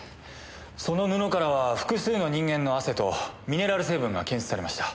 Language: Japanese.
その布からは複数の人間の汗とミネラル成分が検出されました。